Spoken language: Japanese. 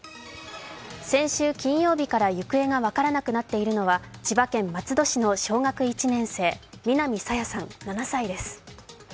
先週金曜日から行方が分からなくなっているのは千葉県松戸市の小学１年生・南朝芽さん７歳です。